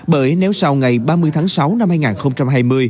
bởi nếu sau ngày ba mươi tháng sáu năm hai nghìn hai mươi